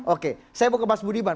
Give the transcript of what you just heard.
oke saya mau ke mas budiman